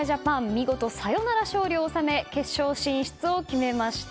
見事、サヨナラ勝利を収め決勝進出を決めました。